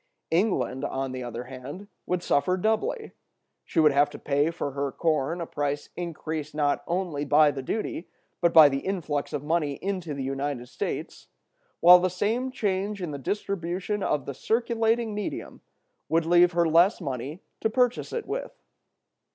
England, on the other hand, would suffer doubly: she would have to pay for her corn a price increased not only by the duty, but by the influx of money into the United States, while the same change in the distribution of the circulating medium would leave her less money to purchase it with.